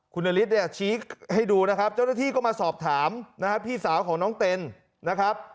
คุณนฤทธิเนี่ยชี้ให้ดูนะครับเจ้าหน้าที่ก็มาสอบถามนะฮะพี่สาวของน้องเต็นนะครับ